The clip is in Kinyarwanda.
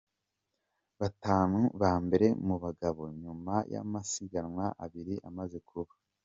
Batanu ba mbere mu bagabo nyuma y’amasiganwa abiri amaze kuba:.